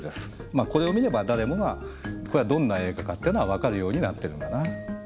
まあこれを見れば誰もがこれはどんな映画かっていうのは分かるようになってるんだな。